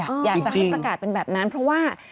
อ่ะอยากจะให้สกัดเป็นแบบนั้นเพราะว่า